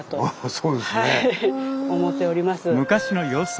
そうですね。